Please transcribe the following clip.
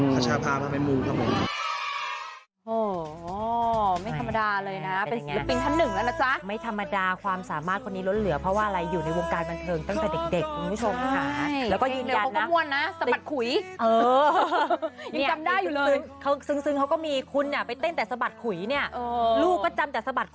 ภาชาภาพภาพไม่มุมครับผม